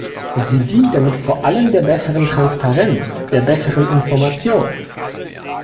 Sie dient damit vor allem der besseren Transparenz, der besseren Information.